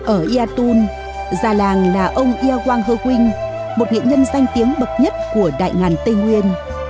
ở yatun gia làng là ông ia quang hơ quynh một nghệ nhân danh tiếng bậc nhất của đại ngàn tây nguyên